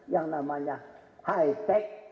yang namanya high tech